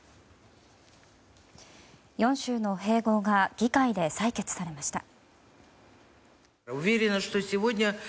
４州の併合が議会で採決されました。